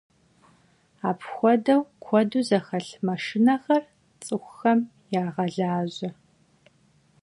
Apxuedeu kuedu zexelh maşşinexer ts'ıxuxem yağelaje.